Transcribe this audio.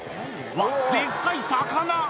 うわっ、でっかい魚。